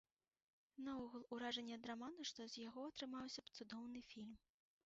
Наогул, уражанне ад раману, што з яго атрымаўся б цудоўны фільм.